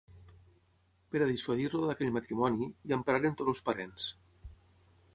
Per a dissuadir-lo d'aquell matrimoni, hi empraren tots els parents.